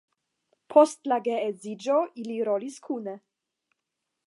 Post la geedziĝo ili rolis kune.